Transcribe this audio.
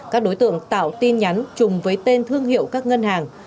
các đối tượng tạo tin nhắn chùng với tên thương hiệu các ngân hàng